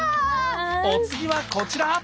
お次はこちら！